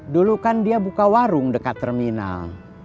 dulu kan dia buka warung dekat terminal